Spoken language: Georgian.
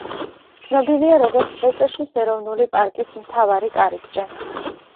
ცნობილია, როგორც ეტოშის ეროვნული პარკის მთავარი კარიბჭე.